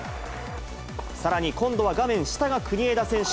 さらに今度は画面下が国枝選手。